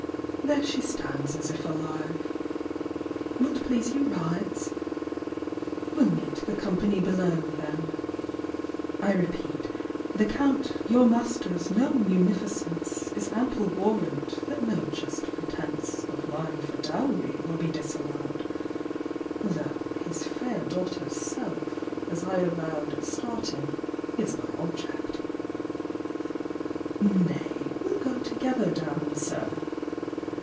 There she stands As if alive. Will't please you rise? We'll meet The company below, then. I repeat, The Count your master's known munificence Is ample warrant that no just pretence 50 Of mine for dowry will be disallowed; Though his fair daughter's self, as I avowed At starting, is my object. Nay, we'll go Together down, sir.